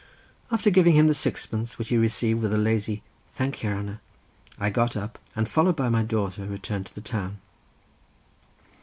After giving him the sixpence, which he received with a lazy "thank your hanner," I got up, and followed by my daughter returned to the town.